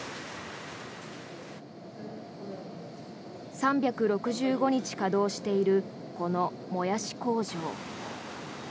３６５日稼働しているこのモヤシ工場。